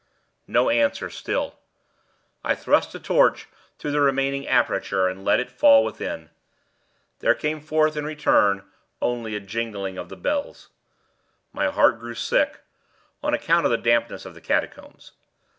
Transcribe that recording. No answer still. I thrust a torch through the remaining aperture and let it fall within. There came forth in return only a jingling of the bells. My heart grew sick—on account of the dampness of the catacombs.